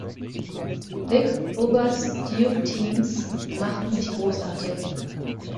Vic Bubas‘ Duke Teams machten sich großartig.